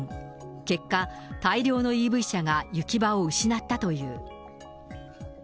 結果、大量のＥＶ車が行き場を失ったという。